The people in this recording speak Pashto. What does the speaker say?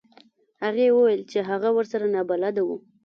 هغې وویل چې هغه ورسره نابلده و.